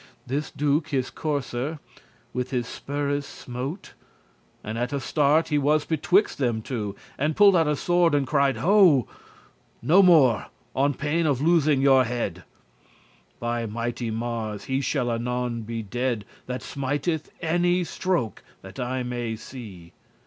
*knew This Duke his courser with his spurres smote, *And at a start* he was betwixt them two, *suddenly* And pulled out a sword and cried, "Ho! No more, on pain of losing of your head. By mighty Mars, he shall anon be dead That smiteth any stroke, that I may see!